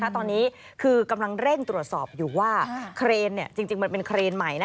ตอนนี้คือกำลังเร่งตรวจสอบอยู่ว่าเครนจริงมันเป็นเครนใหม่